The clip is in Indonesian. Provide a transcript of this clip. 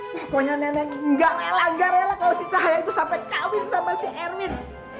pokoknya nenek gak rela gak rela kalau si cahaya itu sampai kawin sama si erwin